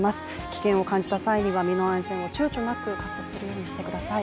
危険を感じた際には身の安全をちゅうちょなく確保するようにしてください。